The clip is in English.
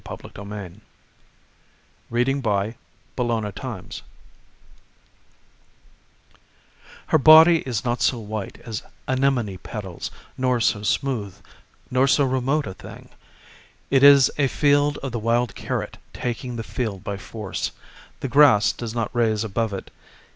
William Carlos Williams Queen Anne's Lace HER body is not so white as anemone petals nor so smooth nor so remote a thing. It is a field of the wild carrot taking thefield by force; the grass does not raise above it.